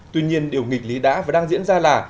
tuy nhiên điều nghịch lý đã và đang diễn ra là